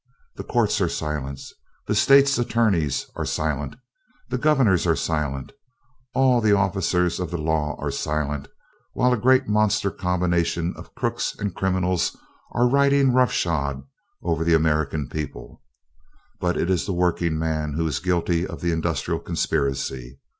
The courts are silent, the states' attorneys are silent; the governors are silent; all the officers of the law are silent, while a great monster combination of crooks and criminals are riding rough shod over the American people. But it is the working man who is guilty of the industrial conspiracy.